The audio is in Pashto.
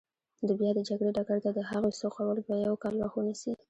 د بیا د جګړې ډګر ته د هغوی سوقول به یو کال وخت ونیسي.